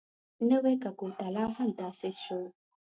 نوی کګوتلا هم تاسیس شو.